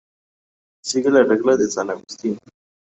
Sigue la regla de san Agustín.